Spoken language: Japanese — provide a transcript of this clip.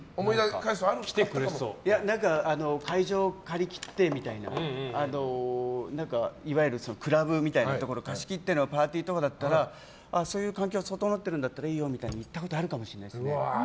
会場を借り切ってみたいないわゆるクラブみたいなところを貸し切ってのパーティーとかだったらそういう環境が整ってるならいいよみたいに、言ったことはあるかもしれないです。